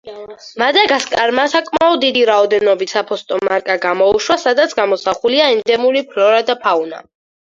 მადაგასკარმა საკმაოდ დიდი რაოდენობით საფოსტო მარკა გამოუშვა, სადაც გამოსახულია ენდემური ფლორა და ფაუნა.